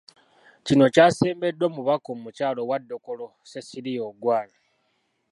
Kino kyasembeddwa omubaka omukyala owa Dokolo Cecilia Ogwal.